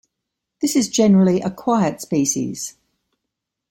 This is generally a quiet species.